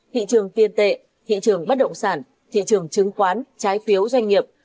thị trường tiên tệ thị trường bất động sản thị trường chứng khoán trái phiếu doanh nghiệp